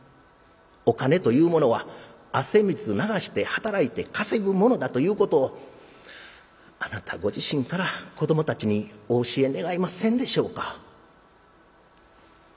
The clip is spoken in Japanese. お金というものは汗水流して働いて稼ぐものだということをあなたご自身から子どもたちにお教え願えませんでしょうか」。